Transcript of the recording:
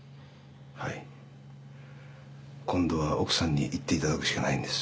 はい今度は奥さんに行っていただくしかないんです。